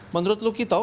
menurut lu kito